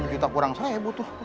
delapan juta kurang saya butuh